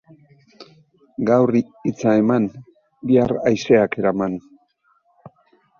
Gaur hitza eman, bihar haizeak eraman.